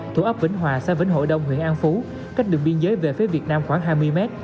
thủ ấp vĩnh hòa xa vĩnh hội đông huyện an phú cách đường biên giới về phía việt nam khoảng hai mươi m